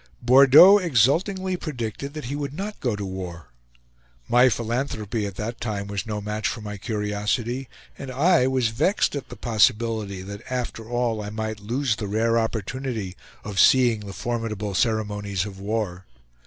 Bordeaux exultingly predicted that he would not go to war. My philanthropy at that time was no match for my curiosity, and I was vexed at the possibility that after all I might lose the rare opportunity of seeing the formidable ceremonies of war.